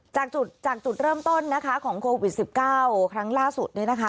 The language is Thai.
จากจุดจากจุดเริ่มต้นนะคะของโควิด๑๙ครั้งล่าสุดเนี่ยนะคะ